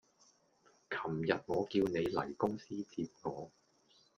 琴日我叫你嚟公司接我